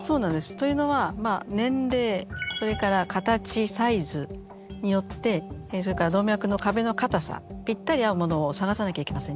というのはまあ年齢それから形サイズによってそれから動脈の壁のかたさぴったり合うものを探さなきゃいけません。